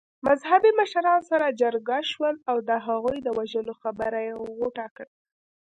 مذهبي مشران سره جرګه شول او د هغې د وژلو خبره يې غوټه کړه.